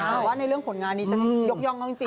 แต่ว่าในเรื่องผลงานนี้นิสเนี่ยฉันยกยอมรึงจิต